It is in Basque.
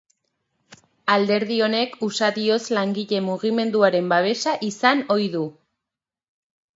Alderdi honek usadioz langile mugimenduaren babesa izan ohi du.